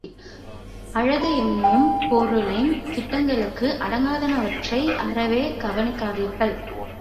அழகு எனும் பொருளின் திட்டங்களுக்கு அடங்காதனவற்றை அறவே கவனிக்காதீர்கள்.